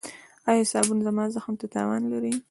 ایا صابون زما زخم ته تاوان لري؟